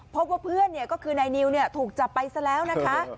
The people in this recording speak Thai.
พบว่าเพื่อนก็คือนายนิวถูกจับไปซะแล้วนะคะ